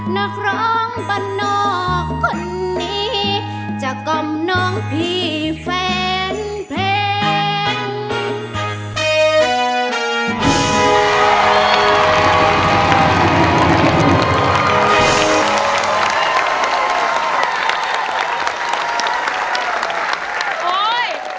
นักร้องบรรนอกคนนี้จะกล่อมน้องพี่แฟนเพลง